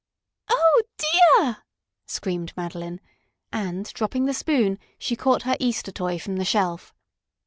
"Oh, dear!" screamed Madeline, and, dropping the spoon, she caught her Easter toy from the shelf.